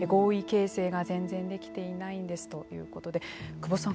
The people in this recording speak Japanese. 久保さん